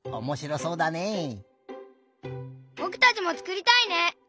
ぼくたちもつくりたいね。